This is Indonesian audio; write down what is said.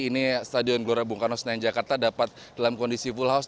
ini stadion gelora bung karno senayan jakarta dapat dalam kondisi full house